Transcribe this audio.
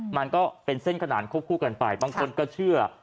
มันก็เป็นเส้นขนานควบคู่กันไปบางคนก็เชื่อ